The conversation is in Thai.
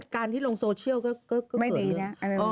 การที่ลงโซเชียลก็ไม่ดีนะ